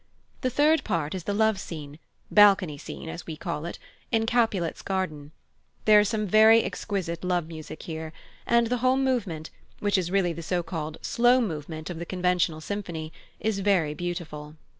The third part is the love scene (Balcony scene as we call it) in Capulet's garden. There is some very exquisite love music here; and the whole movement, which is really the so called "slow movement" of the conventional symphony, is very beautiful.